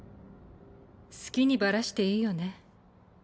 好きにバラしていいよね。